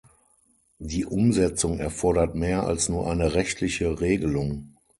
Die Umsetzung erfordert mehr als nur eine rechtliche Regelung.